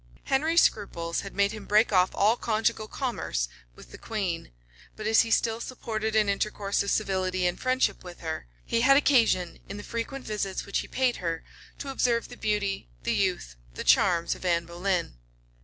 Henry's scruples had made him break off all conjugal commerce with the queen; but as he still supported an intercourse of civility and friendship with her, he had occasion, in the frequent visits which he paid her, to observe the beauty, the youth, the charms of Anne Boleyn.